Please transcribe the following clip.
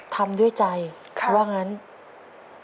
ทำด้วยใจว่างั้น